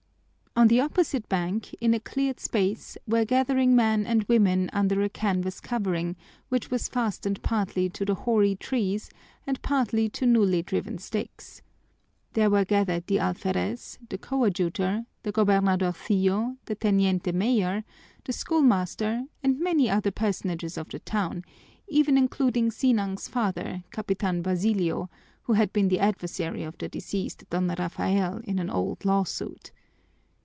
On the opposite bank in a cleared space were gathered men and women under a canvas covering which was fastened partly to the hoary trees and partly to newly driven stakes. There were gathered the alferez, the coadjutor, the gobernadorcillo, the teniente mayor, the schoolmaster, and many other personages of the town, even including Sinang's father, Capitan Basilio, who had been the adversary of the deceased Don Rafael in an old lawsuit.